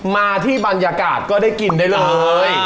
มาที่บรรยากาศก็ได้กินได้เลย